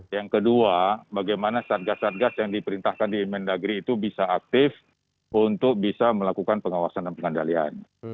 yang kedua bagaimana satgas satgas yang diperintahkan di mendagri itu bisa aktif untuk bisa melakukan pengawasan dan pengendalian